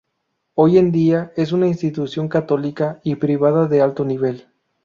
Hoy en día es una institución católica y privada de alto nivel.